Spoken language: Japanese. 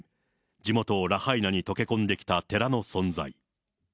地元ラハイナに溶け込んできた寺の存在。